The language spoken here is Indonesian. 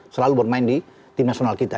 selalu bermain di tim nasional kita